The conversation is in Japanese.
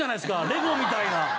レゴみたいな。